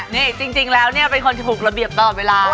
นี่จริงแล้วเนี่ยเป็นคนถูกระเบียบตลอดเวลา